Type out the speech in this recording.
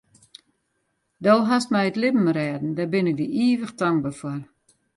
Do hast my it libben rêden, dêr bin ik dy ivich tankber foar.